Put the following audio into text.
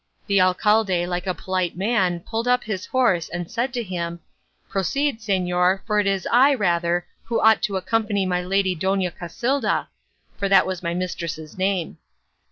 The alcalde like a polite man pulled up his horse and said to him, 'Proceed, señor, for it is I, rather, who ought to accompany my lady Dona Casilda' for that was my mistress's name.